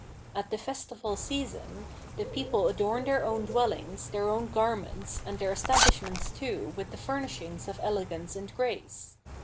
At the festival season, the people adorn their own dwelhngs, their own garments, and their estabhsh mente too with the furnishings of elegance and grace.